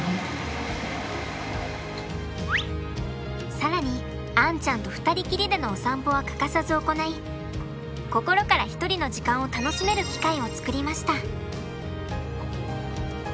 更にアンちゃんと２人きりでのお散歩は欠かさず行い心から１人の時間を楽しめる機会を作りました。